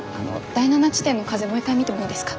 第７地点の風もう一回見てもいいですか？